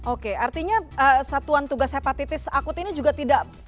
oke artinya satuan tugas hepatitis akut ini juga tidak